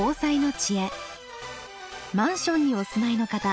マンションにお住まいの方